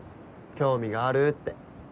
興味があるって。